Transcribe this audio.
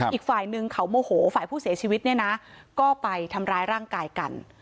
อีกฝ่ายนึงเขาโมโหฝ่ายผู้เสียชีวิตเนี่ยนะก็ไปทำร้ายร่างกายกัน